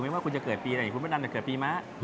ไม่ว่าคุณจะเกิดปีไหนคุณไม่ดันแต่เกิดปีม้า